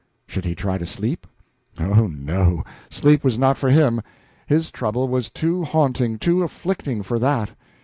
Should he try to sleep? Oh, no, sleep was not for him; his trouble was too haunting, too afflicting for that.